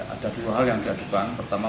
ada dua hal yang diajukan pertama